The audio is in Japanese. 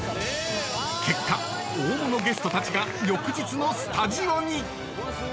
［結果大物ゲストたちが翌日のスタジオに］